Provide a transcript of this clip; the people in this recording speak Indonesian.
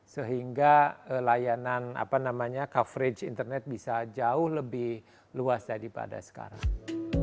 sehingga layanan apa namanya coverage internet bisa jauh lebih luas daripada sekarang